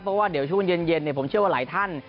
เพราะว่าเดี๋ยวช่วงเย็นผมเชื่อว่าหลายท่าน